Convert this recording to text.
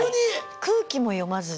空気も読まずに。